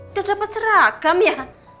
udah dapet seragam ya